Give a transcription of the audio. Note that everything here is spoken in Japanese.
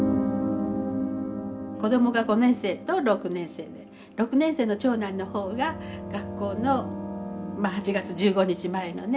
子どもが５年生と６年生で６年生の長男の方が学校のまあ８月１５日前のね